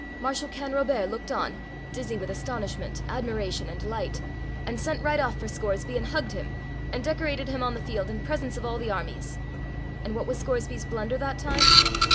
Marshal Canrobert looked on, dizzy with astonishment, admiration, and delight; and sent right off for Scoresby, and hugged him, and decorated him on the field, in presence of all the armies! And what was Scoresby's blunder that time?